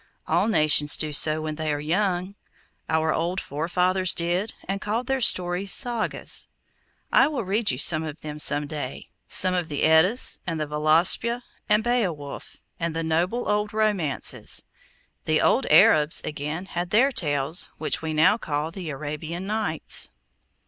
All nations do so when they are young: our old forefathers did, and called their stories 'Sagas.' I will read you some of them some day—some of the Eddas, and the Voluspà, and Beowulf, and the noble old Romances. The old Arabs, again, had their tales, which we now call the 'Arabian Nights.